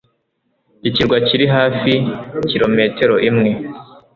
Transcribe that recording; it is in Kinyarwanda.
Ikirwa kiri hafi kilometero imwe.